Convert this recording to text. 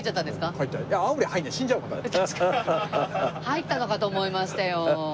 入ったのかと思いましたよ。